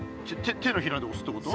手のひらでおすってこと？